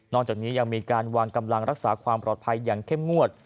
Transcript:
จากนี้ยังมีการวางกำลังรักษาความปลอดภัยอย่างเข้มงวด